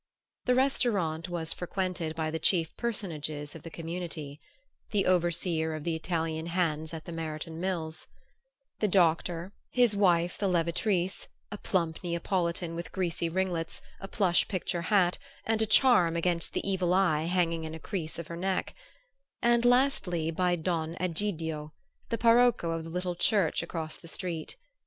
The restaurant was frequented by the chief personages of the community: the overseer of the Italian hands at the Meriton Mills, the doctor, his wife the levatrice (a plump Neapolitan with greasy ringlets, a plush picture hat, and a charm against the evil eye hanging in a crease of her neck) and lastly by Don Egidio, the parocco of the little church across the street.